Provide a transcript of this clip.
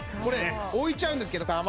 これ置いちゃうんですけど。